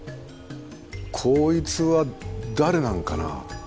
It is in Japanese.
「こいつは誰なのかな？」。